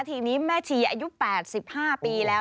ทีนี้แม่ชีอายุ๘๕ปีแล้ว